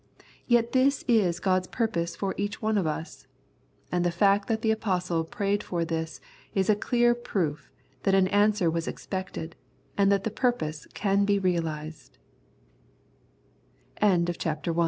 Yet this is God's purpose for each one of us. And the fact that the Apostle prayed for this is a clear proof that an answer was expected, and that the purpose